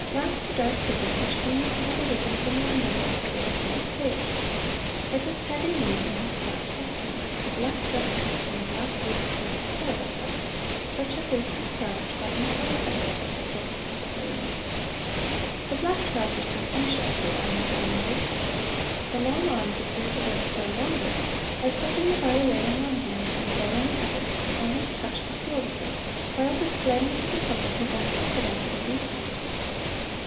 At last a dark figure, which seemed to have arisen from the underworld, appeared upon the stage. It was Paganini in his black costume the black dress coat and the black waistcoat of a horrible cut, such as is prescribed by infernal etiquette at the court of Proserpine. The black trousers hung anxiously around the thin legs. The long arms appeared to grow still longer, as, holding the violin in one hand and the bow in the other, he almost touched the floor with them, while displaying to the public his unprecedented obeisances.